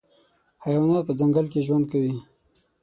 حیوانات په ځنګل کي ژوند کوي.